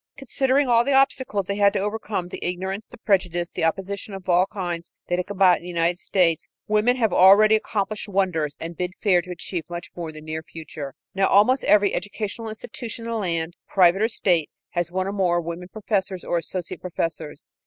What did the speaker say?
Considering all the obstacles they had to overcome, the ignorance, the prejudice, the opposition of all kinds they had to combat in the United States, women have already accomplished wonders and bid fair to achieve much more in the near future. Now almost every educational institution in the land, private or state, has one or more women professors or associate professors.